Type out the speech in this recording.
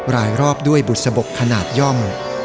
รายรอบด้วยบุษบกขนาดย่อม